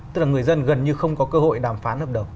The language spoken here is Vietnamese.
tức là người dân gần như không có cơ hội đàm phán hợp đồng